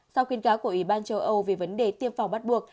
sau khuyên cáo của ủy ban châu âu về vấn đề tiêm phòng bắt buộc